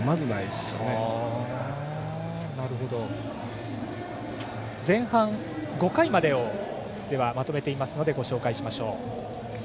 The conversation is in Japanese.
では、前半５回までをまとめていますのでご紹介しましょう。